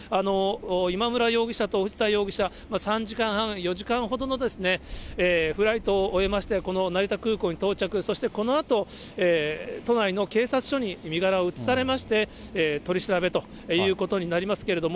今村容疑者と藤田容疑者、３時間半、４時間ほどのフライトを終えまして、この成田空港に到着、そしてこのあと、都内の警察署に身柄を移されまして、取り調べということになりますけれども、